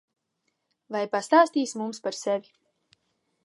Vai pastāstīsi mums par sevi?